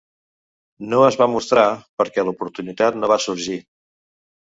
No es va mostrar, perquè l'oportunitat no va sorgir.